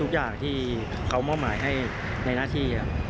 ทุกอย่างที่เขามอบหมายให้ในหน้าที่